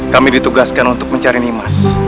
kami ditugaskan untuk mencari nimas